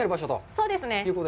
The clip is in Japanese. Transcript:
そうですね。